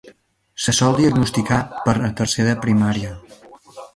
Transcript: Se sol diagnosticar a tercer de primària.